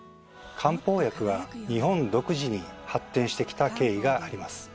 漢方薬は日本独自に発展してきた経緯があります。